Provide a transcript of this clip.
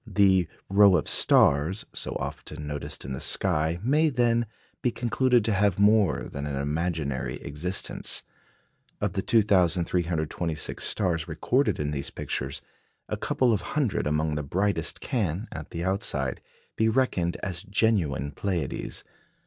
" The "rows of stars," so often noticed in the sky, may, then, be concluded to have more than an imaginary existence. Of the 2,326 stars recorded in these pictures, a couple of hundred among the brightest can, at the outside, be reckoned as genuine Pleiades.